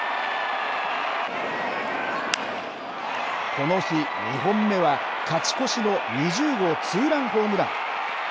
この日２本目は、勝ち越しの２０号ツーランホームラン。